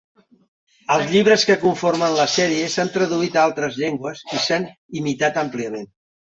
Els llibres que conformen la sèrie s'han traduït a altres llengües i s'han imitat àmpliament.